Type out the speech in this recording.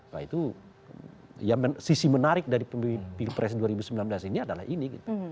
nah itu sisi menarik dari pilih presiden dua ribu sembilan belas ini adalah ini